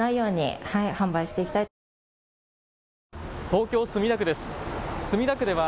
東京墨田区です。